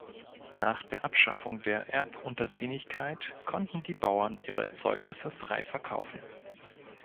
Nach der Abschaffung der Erbuntertänigkeit konnten die Bauern ihre Erzeugnisse frei verkaufen.